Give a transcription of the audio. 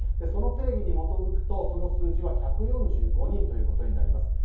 その定義に基づくとその数字は１４５人ということになります。